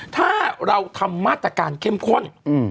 ถ้าเราทำมาตรการเข้มข้น